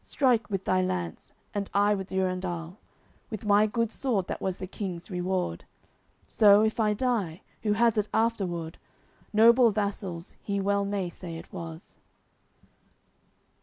Strike with thy lance, and I with Durendal, With my good sword that was the King's reward. So, if I die, who has it afterward Noble vassal's he well may say it was."